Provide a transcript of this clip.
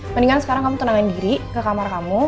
mendingan sekarang kamu tenangin diri ke kamar kamu